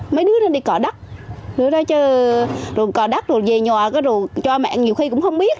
mấy đứa nó đi có đất rồi nó chơi rồi có đất rồi về nhỏ rồi cho mẹ nhiều khi cũng không biết